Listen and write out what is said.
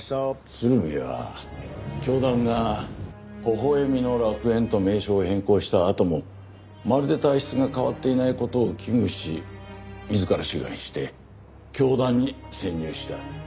鶴見は教団が微笑みの楽園と名称を変更したあともまるで体質が変わっていない事を危惧し自ら志願して教団に潜入した。